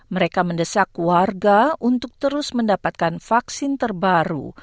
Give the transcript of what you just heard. mereka mendesak warga untuk terus mendapatkan vaksin terbaru